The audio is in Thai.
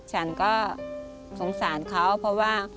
ฉันก็สงสารเขาเพราะว่า